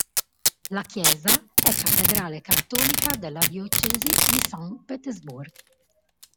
La chiesa è cattedrale cattolica della diocesi di Saint Petersburg.